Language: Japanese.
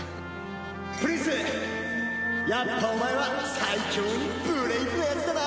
プリンスやっぱお前は最強にブレイブなやつだな！